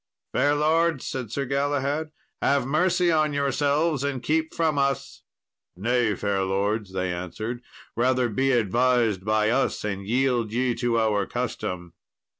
"Fair lords," said Sir Galahad, "have mercy on yourselves and keep from us." "Nay, fair lords," they answered, "rather be advised by us, and yield ye to our custom."